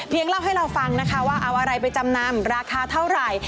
เล่าให้เราฟังนะคะว่าเอาอะไรไปจำนำราคาเท่าไหร่